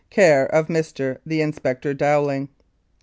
1 "Care of Mr. the Inspector Dowling."